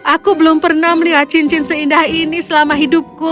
aku belum pernah lihat cincin seindah yang indah ini selama hidupku